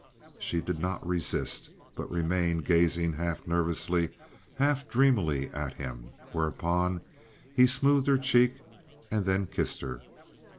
She did not resist, but remained gazing half nervously, half dreamily at him, whereupon he smoothed her cheek, and then kissed her.